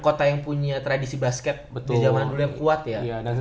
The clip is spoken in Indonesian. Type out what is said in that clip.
kota yang punya tradisi basket di zaman dulu yang kuat ya